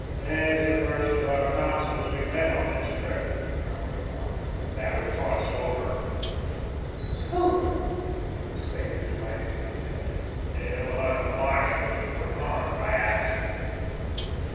"He's the first of our consuls we've met on this trip," growled her father, "that we've caught sober." "Sober!" exclaimed his wife indignantly. "He's one of the Marshalls of Vermont. I asked him."